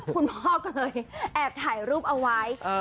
คุณพ่อก็เลยแอบถ่ายรูปเอาไว้